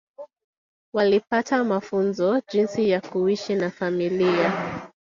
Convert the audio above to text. Walipata mafunzo jinsi ya kuishi na familia